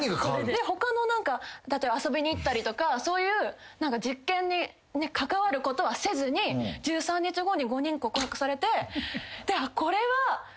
他の何か例えば遊びに行ったりとかそういう実験に関わることはせずに１３日後に５人に告白されて。